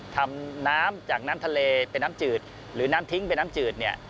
ทำน้ำจากน้ำทะเลเป็นน้ำจืดหรือน้ำทิ้งเป็นน้ำจืดเนี่ย